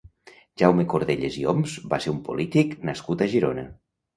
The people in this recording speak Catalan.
Jaume Cordelles i Oms va ser un polític nascut a Girona.